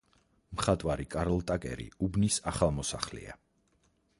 მხატვარი კარლ ტაკერი უბნის ახალმოსახლეა.